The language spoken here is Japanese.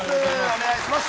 お願いします